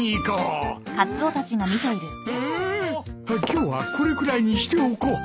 今日はこれくらいにしておこう。